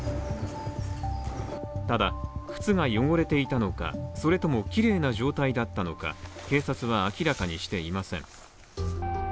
ただ、靴が汚れていたのか、それとも綺麗な状態だったのか、警察は明らかにしていません。